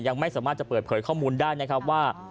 ยังไม่สามารถจะเปิดเผยข้อมูลได้นะครับว่า